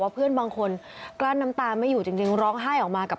เพื่อนบางคนกลั้นน้ำตาไม่อยู่จริงร้องไห้ออกมากับ